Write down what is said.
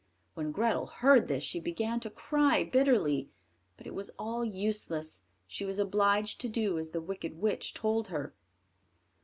When Grethel heard this she began to cry bitterly; but it was all useless, she was obliged to do as the wicked witch told her.